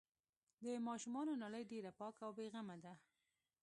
د ماشومانو نړۍ ډېره پاکه او بې غمه ده.